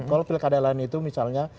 kalau pilkada lain itu misalnya